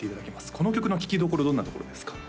この曲の聴きどころどんなところですか？